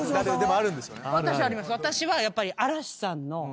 私はやっぱり。